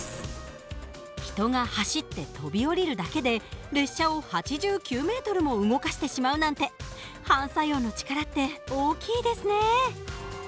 人が走って跳び降りるだけで列車を８９ｍも動かしてしまうなんて反作用の力って大きいですね。